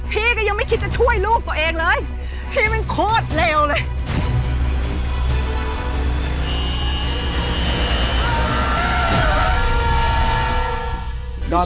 พี่ก็ยังไม่คิดจะช่วยลูกตัวเองเลย